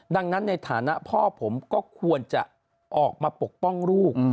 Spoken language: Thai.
ดังนั้นในฐานะพ่อผมก็ควรจะออกมาปกป้องลูก